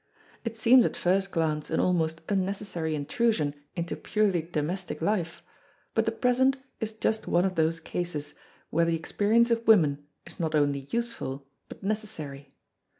It seems at first glance an almost unnecessary intrusion into purely domestic life; but the present is just one of those cases where the experience of women is not only useful but necessary.